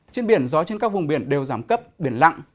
trên biển gió trên các vùng biển đều giảm cấp biển lặng